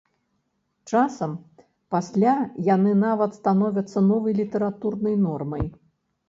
Часам пасля яны нават становяцца новай літаратурнай нормай.